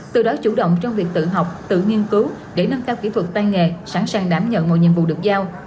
từ đó chủ động trong việc tự học tự nghiên cứu để nâng cao kỹ thuật tay nghề sẵn sàng đảm nhận mọi nhiệm vụ được giao